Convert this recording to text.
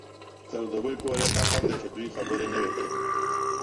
تر دوبۍ پورې مې قسم دی چې دوې خبرې نه وې کړې.